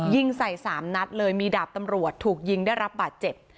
ยิงใส่๓นัดเลยมีดาบตำรวจถูกยิงได้รับบาดเจ็บ